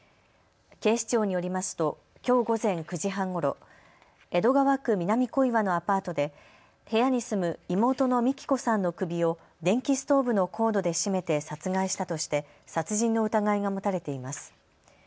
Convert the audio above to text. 警視庁によりますときょう午前９時半ごろ江戸川区南小岩のアパートで、部屋に住む妹の幹子さんの首を電気ストーブのコードで絞めて殺害したとして殺人の疑いが持たれています。